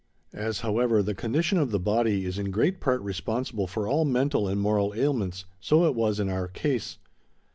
As, however, the condition of the body is in great part responsible for all mental and moral ailments, so it was in our case.